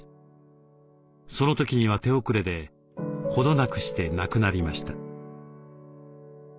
その時には手遅れで程なくして亡くなりました。